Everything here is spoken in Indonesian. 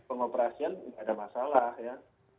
pengoperasian ada masalah ya